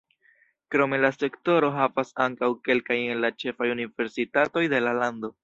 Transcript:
Krome la sektoro havas ankaŭ kelkajn el la ĉefaj universitatoj de la lando.